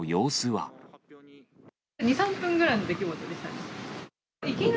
２、３分ぐらいの出来事でしたね。